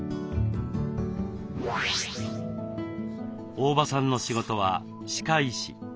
大庭さんの仕事は歯科医師。